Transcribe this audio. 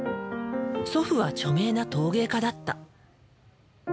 祖父は著名な陶芸家だった。